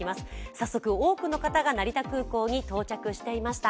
早速、多くの方が成田空港に到着していました。